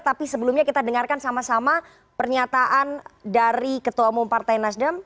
tapi sebelumnya kita dengarkan sama sama pernyataan dari ketua umum partai nasdem